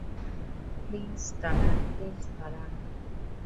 Please দাঁড়ান, please দাঁড়ান।